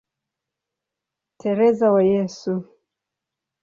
Teresa wa Yesu".